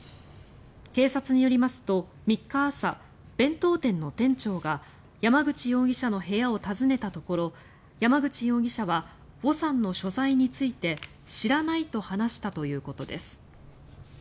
警察によりますと３日朝弁当店の店長が山口容疑者の部屋を訪ねたところ山口容疑者はヴォさんの所在について知らないと話したということです。